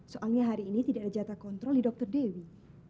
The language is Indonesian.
soalnya hari ini tidak ada jatah kontrol di dokter dewi